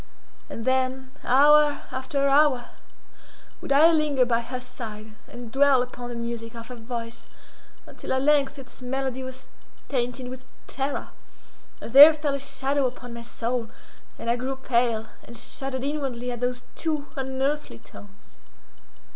And then, hour after hour, would I linger by her side, and dwell upon the music of her voice, until at length its melody was tainted with terror, and there fell a shadow upon my soul, and I grew pale, and shuddered inwardly at those too unearthly tones.